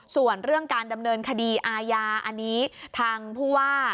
ส่วนเรื่องการดำเนินคดีอาญาอันนี้ทางผู้ว่า